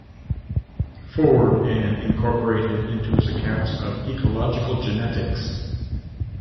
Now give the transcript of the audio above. Ford and incorporated into his accounts of ecological genetics.